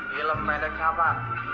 film pendek apa